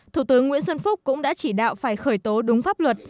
thủ tướng nguyễn xuân phúc cũng đã chỉ đạo phải khởi tố đúng pháp luật